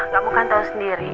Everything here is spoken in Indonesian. kamu kan tahu sendiri